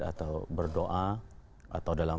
atau berdoa atau dalam